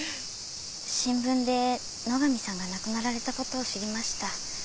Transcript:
新聞で野上さんが亡くなられたことを知りました。